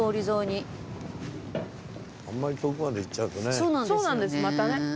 そうなんですよね。